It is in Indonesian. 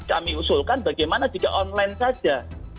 kami usulkan bagaimana jika online saja